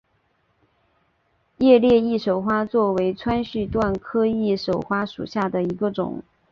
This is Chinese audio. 裂叶翼首花为川续断科翼首花属下的一个种。